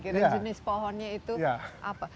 kira jenis pohonnya itu apa